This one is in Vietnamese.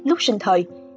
lúc sinh thời